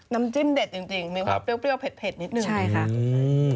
น้ำจิ้มเด็ดจริงมีความเปรี้ยวเผ็ดนิดหนึ่ง